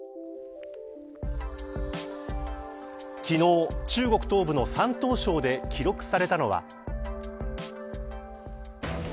昨日、中国東部の山東省で記録されたのは。